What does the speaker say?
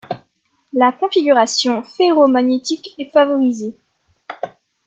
La configuration ferromagnétique est favorisée.